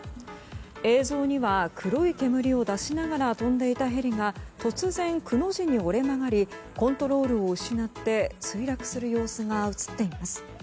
映像には黒い煙を出しながら飛んでいたヘリが突然、くの字に折れ曲がりコントロールを失って墜落する様子が映っています。